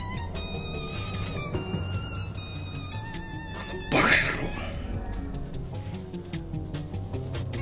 あのバカ野郎が！